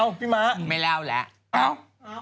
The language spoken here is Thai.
พี่ม้าไม่เล่าแล้ว